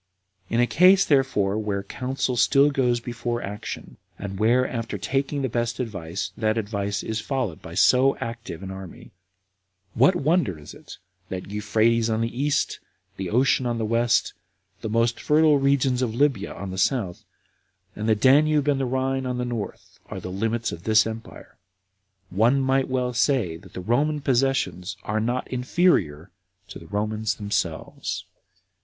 In a case, therefore, where counsel still goes before action, and where, after taking the best advice, that advice is followed by so active an army, what wonder is it that Euphrates on the east, the ocean on the west, the most fertile regions of Libya on the south, and the Danube and the Rhine on the north, are the limits of this empire? One might well say that the Roman possessions are not inferior to the Romans themselves.